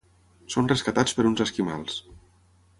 Són rescatats per uns esquimals.